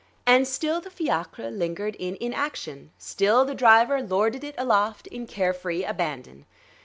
And still the fiacre lingered in inaction, still the driver lorded it aloft, in care free abandon.